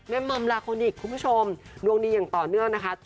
มัมลาคนอีกคุณผู้ชมดวงดีอย่างต่อเนื่องนะคะ